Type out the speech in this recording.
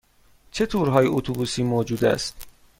چه تورهای اتوبوسی موجود است؟